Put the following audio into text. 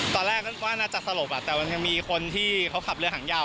ตอนแรกก็ว่าน่าจะสลบแต่มันยังมีคนที่เขาขับเรือหางยาว